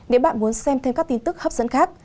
để bạn muốn xem thêm các tin tức hấp dẫn khác